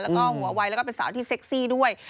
แล้วก็หัววัยแล้วก็เป็นสาวที่เซ็กซี่ด้วย